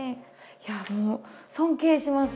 いやもう尊敬します。